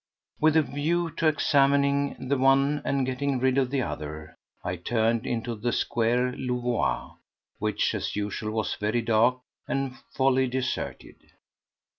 With a view to examining the one and getting rid of the other, I turned into the Square Louvois, which, as usual, was very dark and wholly deserted.